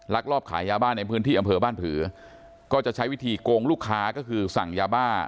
ลอบขายยาบ้านในพื้นที่อำเภอบ้านผือก็จะใช้วิธีโกงลูกค้าก็คือสั่งยาบ้า